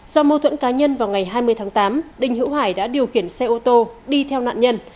do mâu thuẫn cá nhân vào ngày hai mươi tháng tám đình hữu hải đã điều khiển xe ô tô đi theo nạn nhân